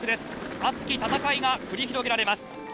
熱き戦いが繰り広げられます。